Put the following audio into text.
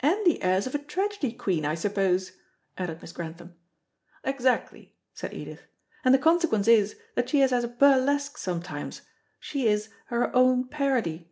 "And the airs of a tragedy queen, I suppose," added Miss Grantham. "Exactly," said Edith; "and the consequence is that she as a burlesque sometimes: She is her own parody."